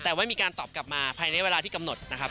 แต่ว่ามีการตอบกลับมาภายในเวลาที่กำหนดนะครับ